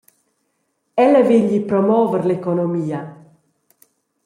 Ella vegli promover l’economia.